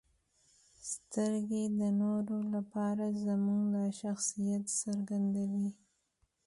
• سترګې د نورو لپاره زموږ د شخصیت څرګندوي.